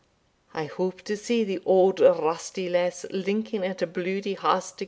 I hope to see the auld rusty lass linking at a bluidy harst again."